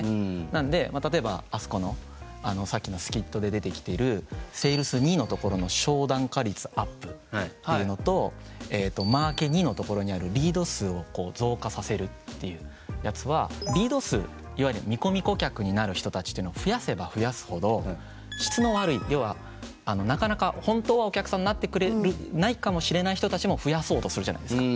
なんで例えばあそこのさっきのスキットで出てきてるセールスⅡのところの商談化率アップっていうのとえっとマーケⅡのところにあるリード数を増加させるっていうやつはリード数いわゆる見込み顧客になる人たちっていうのを増やせば増やすほど質の悪い要はなかなか本当はお客さんになってくれないかもしれない人たちも増やそうとするじゃないですか。